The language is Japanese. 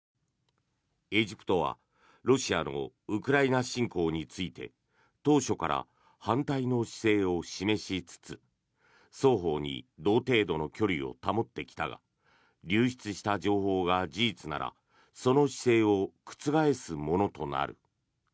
エジプトはロシアのウクライナ侵攻について当初から反対の姿勢を示しつつ双方に同程度の距離を保ってきたが流出した情報が事実ならその姿勢を覆すものとなる。